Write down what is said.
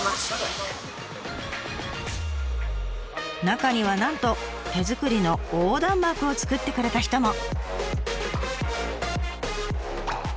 中にはなんと手作りの横断幕を作ってくれた人も。